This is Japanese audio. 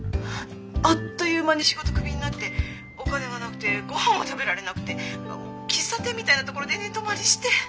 あっという間に仕事クビになってお金がなくてごはんも食べられなくて喫茶店みたいなところで寝泊まりして。